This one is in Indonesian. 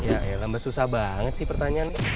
ya lambat susah banget sih pertanyaan